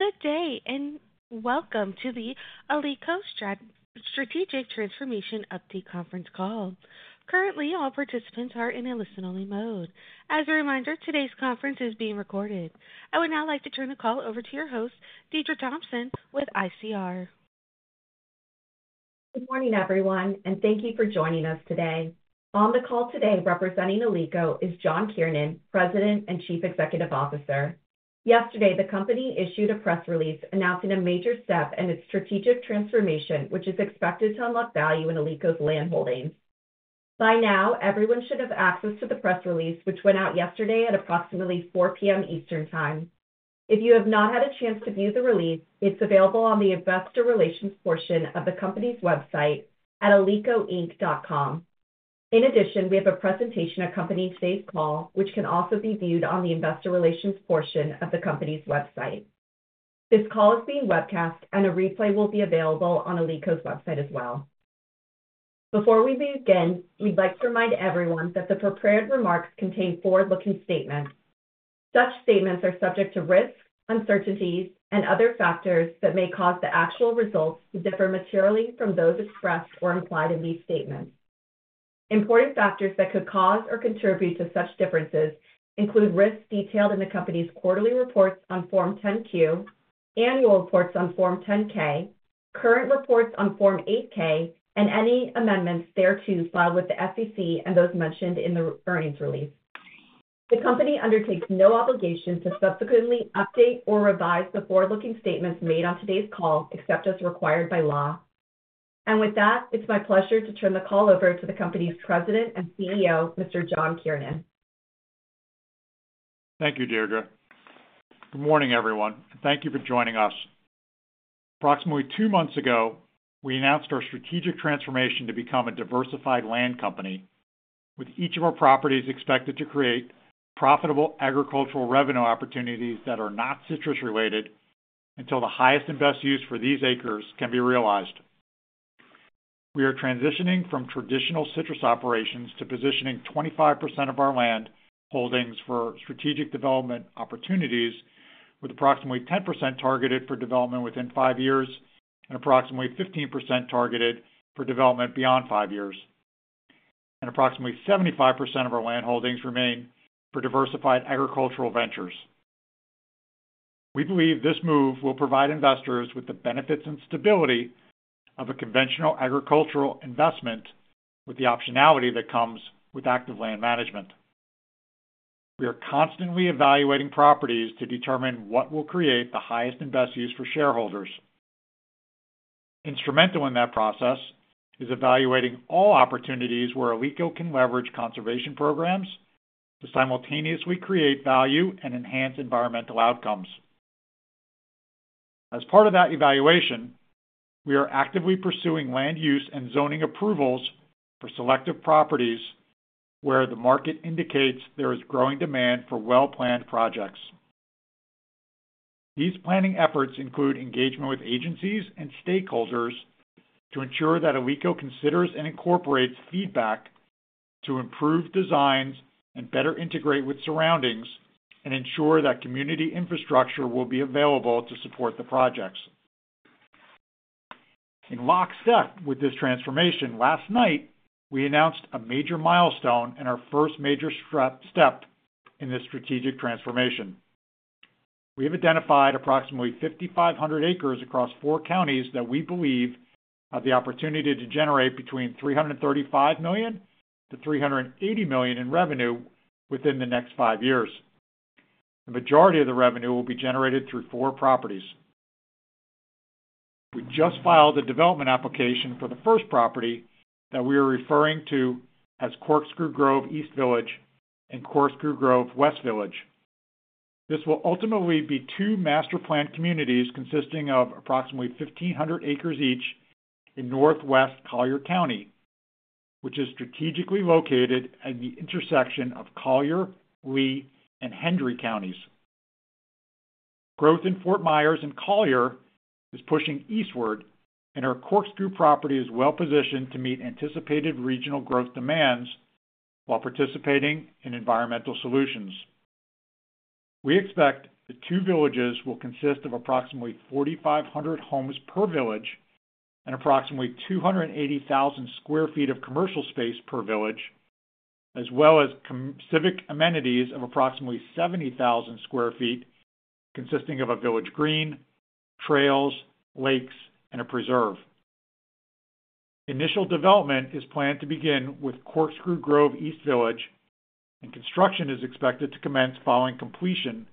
Good day, and welcome to the Alico Strategic Transformation Update conference call. Currently, all participants are in a listen-only mode. As a reminder, today's conference is being recorded. I would now like to turn the call over to your host, Deirdre Thomson, with ICR. Good morning, everyone, and thank you for joining us today. On the call today, representing Alico, is John Kiernan, President and Chief Executive Officer. Yesterday, the company issued a press release announcing a major step in its strategic transformation, which is expected to unlock value in Alico's land holdings. By now, everyone should have access to the press release, which went out yesterday at approximately 4:00 P.M. Eastern Time. If you have not had a chance to view the release, it's available on the Investor Relations portion of the company's website at alicoinc.com. In addition, we have a presentation accompanying today's call, which can also be viewed on the Investor Relations portion of the company's website. This call is being webcast, and a replay will be available on Alico's website as well. Before we begin, we'd like to remind everyone that the prepared remarks contain forward-looking statements. Such statements are subject to risks, uncertainties, and other factors that may cause the actual results to differ materially from those expressed or implied in these statements. Important factors that could cause or contribute to such differences include risks detailed in the company's quarterly reports on Form 10-Q, annual reports on Form 10-K, current reports on Form 8-K, and any amendments thereto, filed with the SEC and those mentioned in the earnings release. The company undertakes no obligation to subsequently update or revise the forward-looking statements made on today's call, except as required by law. It is my pleasure to turn the call over to the company's President and CEO, Mr. John Kiernan. Thank you, Deirdre. Good morning, everyone. Thank you for joining us. Approximately two months ago, we announced our strategic transformation to become a diversified land company, with each of our properties expected to create profitable agricultural revenue opportunities that are not citrus-related until the highest and best use for these acres can be realized. We are transitioning from traditional citrus operations to positioning 25% of our land holdings for strategic development opportunities, with approximately 10% targeted for development within five years and approximately 15% targeted for development beyond five years. Approximately 75% of our land holdings remain for diversified agricultural ventures. We believe this move will provide investors with the benefits and stability of a conventional agricultural investment, with the optionality that comes with active land management. We are constantly evaluating properties to determine what will create the highest and best use for shareholders. Instrumental in that process is evaluating all opportunities where Alico can leverage conservation programs to simultaneously create value and enhance environmental outcomes. As part of that evaluation, we are actively pursuing land use and zoning approvals for selective properties where the market indicates there is growing demand for well-planned projects. These planning efforts include engagement with agencies and stakeholders to ensure that Alico considers and incorporates feedback to improve designs and better integrate with surroundings, and ensure that community infrastructure will be available to support the projects. In lockstep with this transformation, last night, we announced a major milestone and our first major step in this strategic transformation. We have identified approximately 5,500 acres across four counties that we believe have the opportunity to generate between $335 million-$380 million in revenue within the next five years. The majority of the revenue will be generated through four properties. We just filed a development application for the first property that we are referring to as Corkscrew Grove East Village and Corkscrew Grove West Village. This will ultimately be two master planned communities consisting of approximately 1,500 acres each in northwest Collier County, which is strategically located at the intersection of Collier, Lee, and Hendry counties. Growth in Fort Myers and Collier is pushing eastward, and our Corkscrew property is well-positioned to meet anticipated regional growth demands while participating in environmental solutions. We expect the two villages will consist of approximately 4,500 homes per village and approximately 280,000 sq ft of commercial space per village, as well as civic amenities of approximately 70,000 sq ft, consisting of a village green, trails, lakes, and a preserve. Initial development is planned to begin with Corkscrew Grove East Village, and construction is expected to commence following completion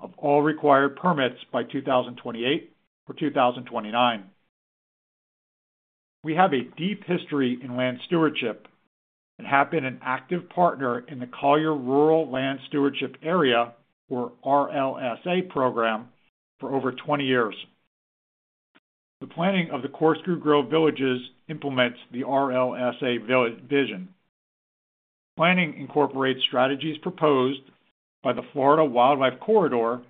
of all required permits by 2028 or 2029. We have a deep history in land stewardship and have been an active partner in the Collier Rural Land Stewardship Area, or RLSA, program for over 20 years. The planning of the Corkscrew Grove villages implements the RLSA vision. The planning incorporates strategies proposed by the Florida Wildlife Corridor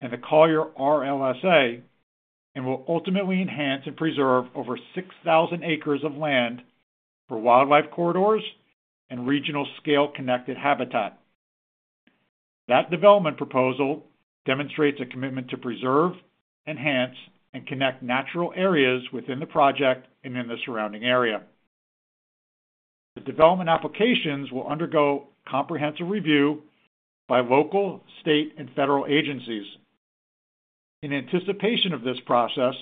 and the Collier RLSA and will ultimately enhance and preserve over 6,000 acres of land for wildlife corridors and regional-scale connected habitat. That development proposal demonstrates a commitment to preserve, enhance, and connect natural areas within the project and in the surrounding area. The development applications will undergo comprehensive review by local, state, and federal agencies. In anticipation of this process,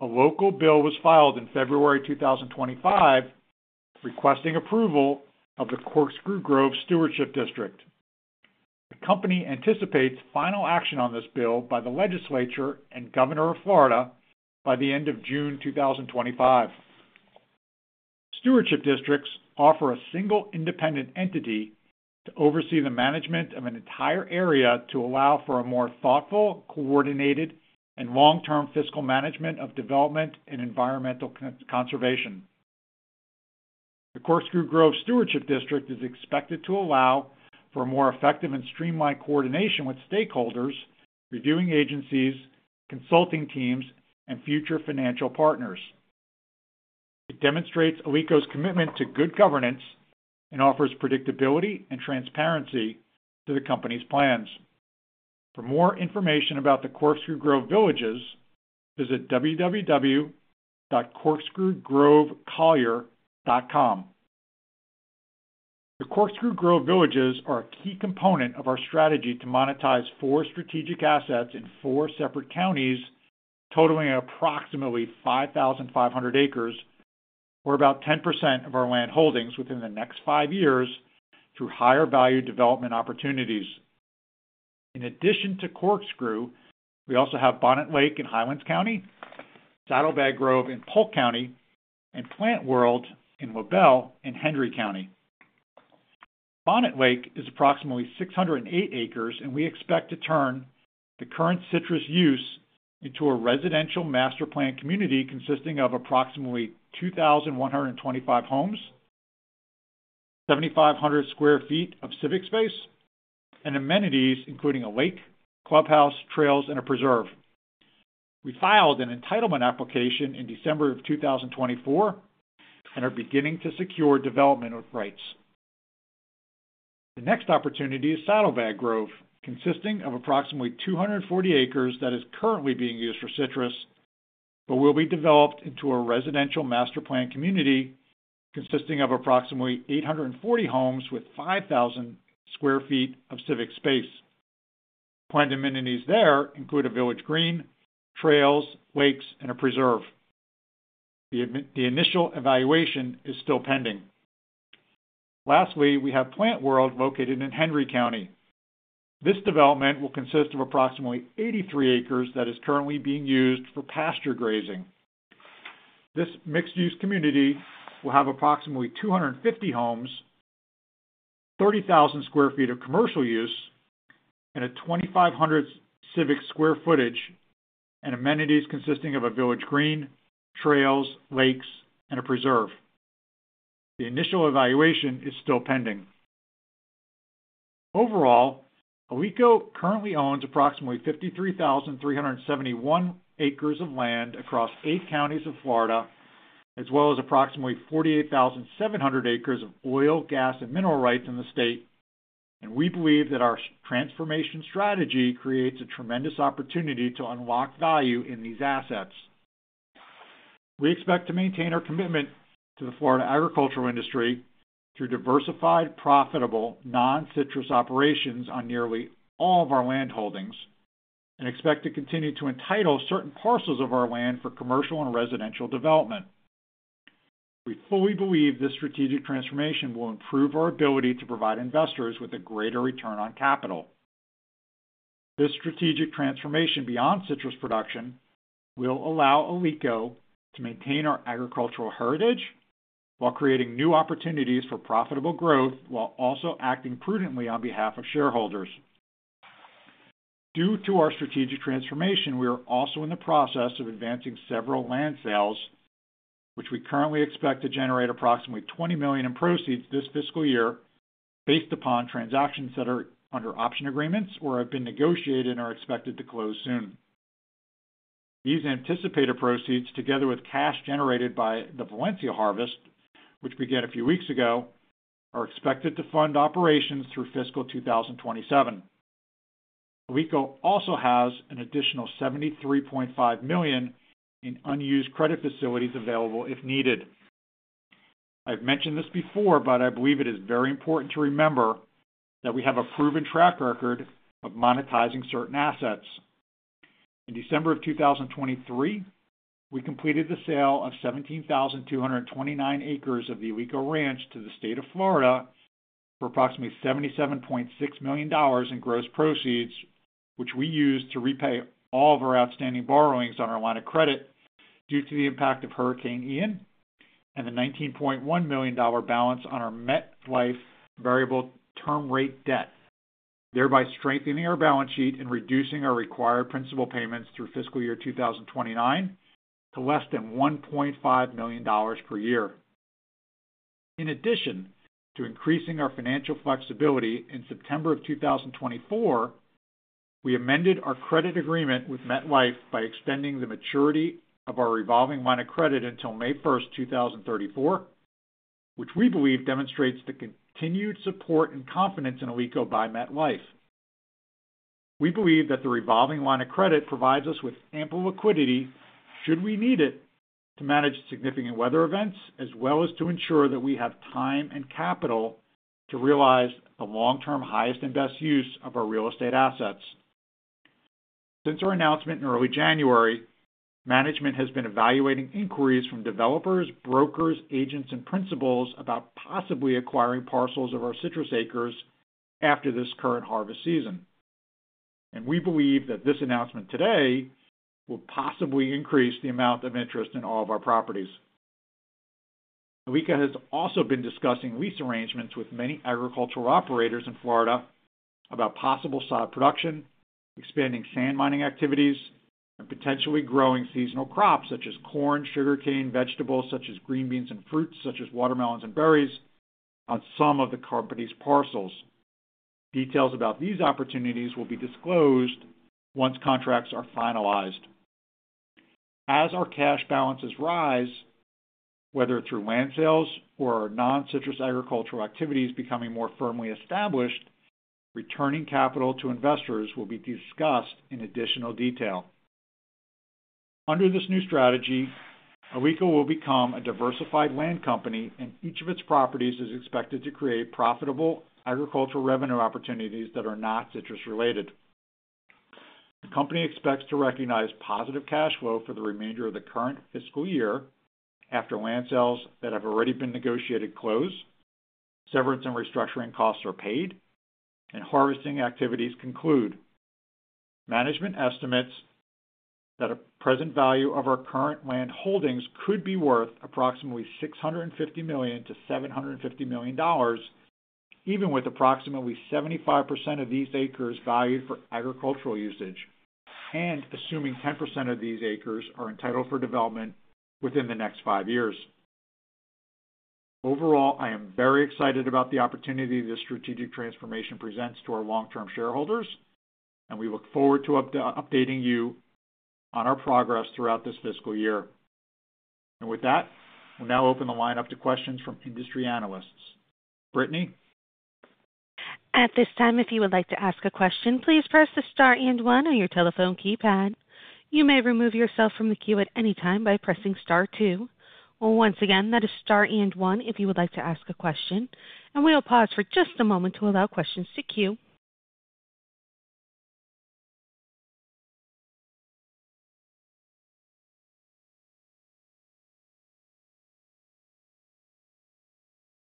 a local bill was filed in February 2025 requesting approval of the Corkscrew Grove Stewardship District. The company anticipates final action on this bill by the legislature and Governor of Florida by the end of June 2025. Stewardship districts offer a single independent entity to oversee the management of an entire area to allow for a more thoughtful, coordinated, and long-term fiscal management of development and environmental conservation. The Corkscrew Grove Stewardship District is expected to allow for more effective and streamlined coordination with stakeholders, reviewing agencies, consulting teams, and future financial partners. It demonstrates Alico's commitment to good governance and offers predictability and transparency to the company's plans. For more information about the Corkscrew Grove villages, visit www.corkscrewgrovecollier.com. The Corkscrew Grove villages are a key component of our strategy to monetize four strategic assets in four separate counties, totaling approximately 5,500 acres, or about 10% of our land holdings within the next five years through higher-value development opportunities. In addition to Corkscrew, we also have Bonnet Lake in Highlands County, Saddlebag Grove in Polk County, and Plant World in Hendry County. Bonnet Lake is approximately 608 acres, and we expect to turn the current citrus use into a residential master planned community consisting of approximately 2,125 homes, 7,500 sq ft of civic space, and amenities including a lake, clubhouse, trails, and a preserve. We filed an entitlement application in December of 2024 and are beginning to secure development rights. The next opportunity is Saddlebag Grove, consisting of approximately 240 acres that is currently being used for citrus, but will be developed into a residential master planned community consisting of approximately 840 homes with 5,000 sq ft of civic space. Planned amenities there include a village green, trails, lakes, and a preserve. The initial evaluation is still pending. Lastly, we have Plant World located in Hendry County. This development will consist of approximately 83 acres that is currently being used for pasture grazing. This mixed-use community will have approximately 250 homes, 30,000 sq ft of commercial use, and 2,500 civic sq ft and amenities consisting of a village green, trails, lakes, and a preserve. The initial evaluation is still pending. Overall, Alico currently owns approximately 53,371 acres of land across eight counties of Florida, as well as approximately 48,700 acres of oil, gas, and mineral rights in the state, and we believe that our transformation strategy creates a tremendous opportunity to unlock value in these assets. We expect to maintain our commitment to the Florida agricultural industry through diversified, profitable, non-citrus operations on nearly all of our land holdings and expect to continue to entitle certain parcels of our land for commercial and residential development. We fully believe this strategic transformation will improve our ability to provide investors with a greater return on capital. This strategic transformation beyond citrus production will allow Alico to maintain our agricultural heritage while creating new opportunities for profitable growth, while also acting prudently on behalf of shareholders. Due to our strategic transformation, we are also in the process of advancing several land sales, which we currently expect to generate approximately $20 million in proceeds this fiscal year, based upon transactions that are under option agreements or have been negotiated and are expected to close soon. These anticipated proceeds, together with cash generated by the Valencia harvest, which began a few weeks ago, are expected to fund operations through fiscal 2027. Alico also has an additional $73.5 million in unused credit facilities available if needed. I've mentioned this before, but I believe it is very important to remember that we have a proven track record of monetizing certain assets. In December of 2023, we completed the sale of 17,229 acres of the Alico Ranch to the state of Florida for approximately $77.6 million in gross proceeds, which we used to repay all of our outstanding borrowings on our line of credit due to the impact of Hurricane Ian and the $19.1 million balance on our MetLife variable term rate debt, thereby strengthening our balance sheet and reducing our required principal payments through fiscal year 2029 to less than $1.5 million per year. In addition to increasing our financial flexibility, in September of 2024, we amended our credit agreement with MetLife by extending the maturity of our revolving line of credit until May 1st, 2034, which we believe demonstrates the continued support and confidence in Alico by MetLife. We believe that the revolving line of credit provides us with ample liquidity, should we need it, to manage significant weather events, as well as to ensure that we have time and capital to realize the long-term highest and best use of our real estate assets. Since our announcement in early January, management has been evaluating inquiries from developers, brokers, agents, and principals about possibly acquiring parcels of our citrus acres after this current harvest season. We believe that this announcement today will possibly increase the amount of interest in all of our properties. Alico has also been discussing lease arrangements with many agricultural operators in Florida about possible sod production, expanding sand mining activities, and potentially growing seasonal crops such as corn, sugarcane, vegetables such as green beans, and fruits such as watermelons and berries on some of the company's parcels. Details about these opportunities will be disclosed once contracts are finalized. As our cash balances rise, whether through land sales or our non-citrus agricultural activities becoming more firmly established, returning capital to investors will be discussed in additional detail. Under this new strategy, Alico will become a diversified land company, and each of its properties is expected to create profitable agricultural revenue opportunities that are not citrus-related. The company expects to recognize positive cash flow for the remainder of the current fiscal year after land sales that have already been negotiated close, severance and restructuring costs are paid, and harvesting activities conclude. Management estimates that a present value of our current land holdings could be worth approximately $650 million-$750 million, even with approximately 75% of these acres valued for agricultural usage, and assuming 10% of these acres are entitled for development within the next five years. Overall, I am very excited about the opportunity this strategic transformation presents to our long-term shareholders, and we look forward to updating you on our progress throughout this fiscal year. We will now open the line up to questions from industry analysts. Brittany. At this time, if you would like to ask a question, please press the Star and one on your telephone keypad. You may remove yourself from the queue at any time by pressing Star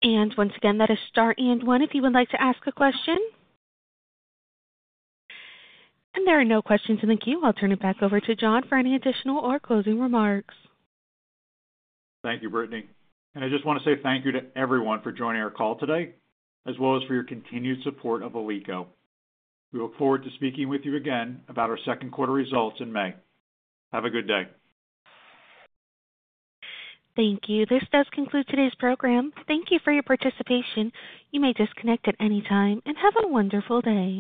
two. Once again, that is Star and one if you would like to ask a question. We will pause for just a moment to allow questions to queue. Once again, that is Star and one if you would like to ask a question. There are no questions in the queue. I will turn it back over to John for any additional or closing remarks. Thank you, Brittany. I just want to say thank you to everyone for joining our call today, as well as for your continued support of Alico. We look forward to speaking with you again about our second quarter results in May. Have a good day. Thank you. This does conclude today's program. Thank you for your participation. You may disconnect at any time and have a wonderful day.